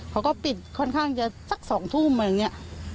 เขาก็ปิดค่อนข้างจะสัก๒ทุ่มอะไรอย่างนี้